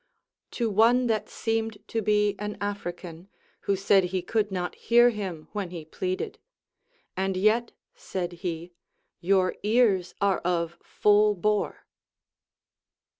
To one that seemed to be an African, who said he could not hear him when he pleaded, And yet, said he, your ears are of full bore.